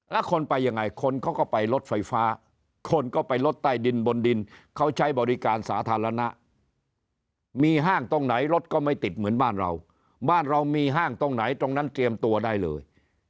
แล้วคนไปยังไงคนเขาก็ไปรถไฟฟ้าคนก็ไปรถใต้ดินบนดินเขาใช้บริการสาธารณะมีห้างตรงไหนรถก็ไม่ติดเหมือนบ้านเราบ้านเรามีห้างตรงไหนตรงนั้นเตรียมตัวได้เลย